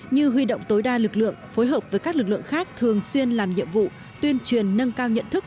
như huy động tối đa lực lượng phối hợp với các lực lượng khác thường xuyên làm nhiệm vụ tuyên truyền nâng cao nhận thức